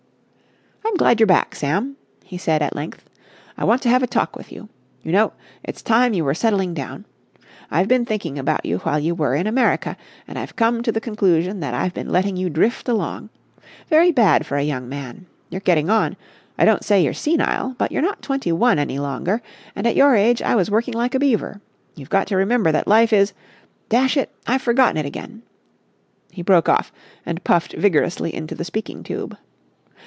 "I'm glad you're back, Sam," he said at length. "I want to have a talk with you. You know, it's time you were settling down. I've been thinking about you while you were in America and I've come to the conclusion that I've been letting you drift along. Very bad for a young man. You're getting on. I don't say you're senile, but you're not twenty one any longer, and at your age I was working like a beaver. You've got to remember that life is—dash it! I've forgotten it again." He broke off and puffed vigorously into the speaking tube.